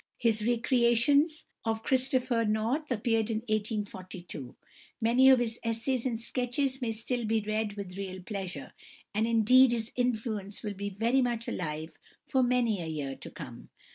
His "Recreations of Christopher North" appeared in 1842. Many of his essays and sketches may still be read with real pleasure, and indeed his influence will be very much alive for many a year to come.